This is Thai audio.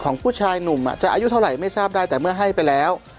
ของผู้ชายหนุ่มจะอายุเท่าไหร่ไม่ทราบได้แต่เมื่อให้ไปแล้ว